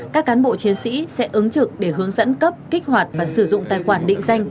các cán bộ chiến sĩ sẽ ứng trực để hướng dẫn cấp kích hoạt và sử dụng tài khoản định danh